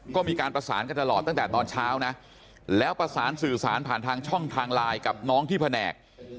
ก็มีการประสานกันตลอดตั้งแต่ตอนเช้านะแล้วประสานสื่อสารผ่านทางช่องทางไลน์กับน้องที่แผนก